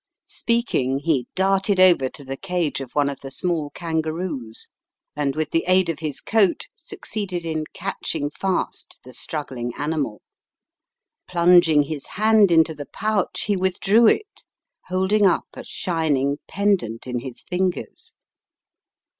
Speaking, he 288 The Riddle of the Purple Emperor darted over to the cage of one of the small kangaroos* and with the aid of his coat succeeded in catching fast the struggling animal. Plunging his hand into the pouch he withdrew it, holding up a shining pen dant in his fingers.